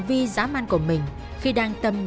vì sợ ba đứa nó